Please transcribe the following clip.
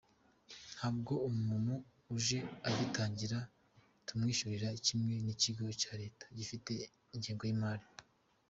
Ntabwo umuntu uje agitangira tumwishyuza kimwe n’ikigo cya leta gifite ingengo y’imari.